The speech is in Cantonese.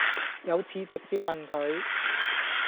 有次直接問佢